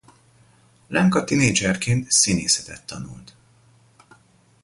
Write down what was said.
Lenka tinédzserként színészetet tanult.